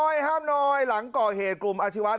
นักเรียงมัธยมจะกลับบ้าน